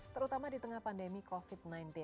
terutama di tengah pandemi covid sembilan belas